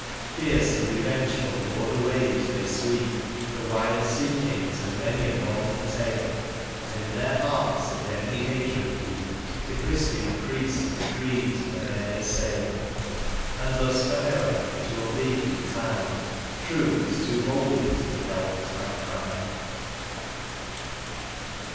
Fierce and revengeful o'er the waves they sweep, The wild sea kings of many a northern tale, And in their hearts a deadly hatred keep To Christian priests and creeds where'er they sail ; And thus for ever it will be through time : Truth is too holy to be helped by crime.